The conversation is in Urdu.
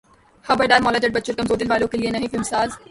خبردار مولا جٹ بچوں اور کمزور دل والوں کے لیے نہیں فلم ساز